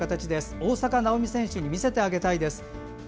大坂なおみ選手に見せてあげたいです。